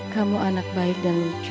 kamu anak baik dan lucu